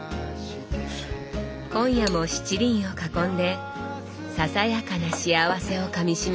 今夜も七輪を囲んでささやかな幸せをかみしめます。